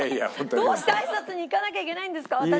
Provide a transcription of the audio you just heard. どうして挨拶に行かなきゃいけないんですか私に。